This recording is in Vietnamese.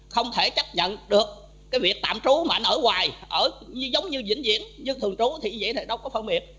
không thể chấp nhận được cái việc tạm chú mà anh ở hoài giống như dĩnh diễn như thường chú thì vậy thì đâu có phân biệt